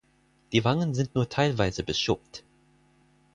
Die Wangen sind nur teilweise beschuppt.